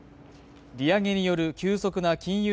利上げによる急速な金融